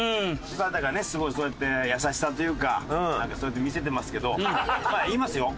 柴田がすごいそうやって優しさというかなんかそうやって見せてますけど言いますよ。